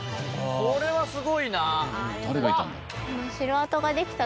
これはすごいな。